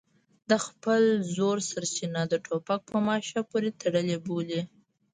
د خپل زور سرچینه د ټوپک په ماشه پورې تړلې بولي.